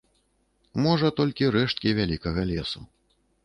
Можа, толькі рэшткі вялікага лесу.